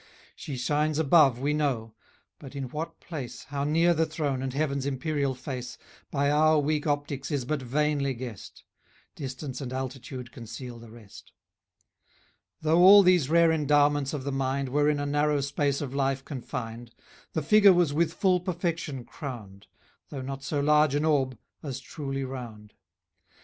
} She shines above, we know; but in what place, How near the throne, and heaven's imperial face, By our weak optics is but vainly guessed; Distance and altitude conceal the rest. Though all these rare endowments of the mind Were in a narrow space of life confined, The figure was with full perfection crowned; Though not so large an orb, as truly round.